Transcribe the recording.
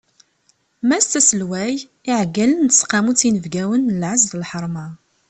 Mass Aselway, iɛeggalen n tesqamut inebgawen n lɛez d lḥerma.